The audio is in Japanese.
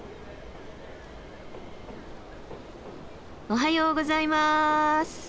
おはようございます！